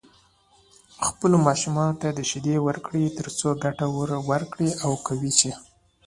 خپلو ماشومانو ته شيدې ورکړئ تر څو ګټه ورکړي او قوي شي.